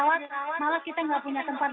malah kita tidak punya tempat